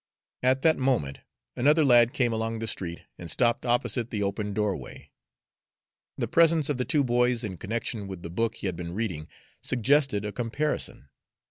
At that moment another lad came along the street and stopped opposite the open doorway. The presence of the two boys in connection with the book he had been reading suggested a comparison.